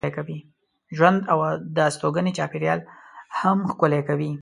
ژوند او د استوګنې چاپېریال هم ښکلی کوي.